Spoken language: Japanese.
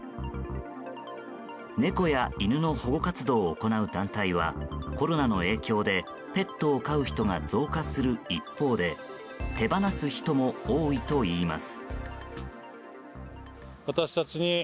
猫や犬の保護活動を行う団体はコロナの影響でペットを飼う人が増加する一方で手放す人も多いといいます。